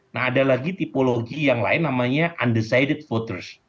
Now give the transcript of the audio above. nah ada lagi tipologi yang lain namanya undecided voters